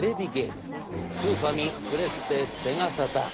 スーファミプレステセガサターン。